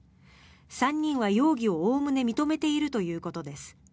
３人は容疑をおおむね認めているということです。